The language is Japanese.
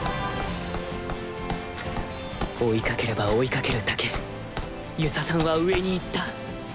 追いかければ追いかけるだけ遊佐さんは上に行った